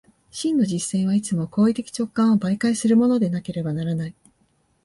真の実践はいつも行為的直観を媒介するものでなければならない。